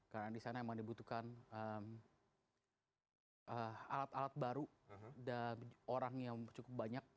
karena di sana memang dibutuhkan alat alat baru dan orang yang cukup banyak